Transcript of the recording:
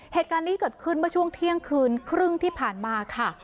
เหตุการณ์นี้เกิดขึ้นเมื่อช่วงเที่ยงคืนครึ่งที่ผ่านมาค่ะ